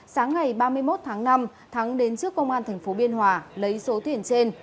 sáng ngày ba mươi một tháng năm thắng đến trước công an tp biên hòa lấy số tiền trên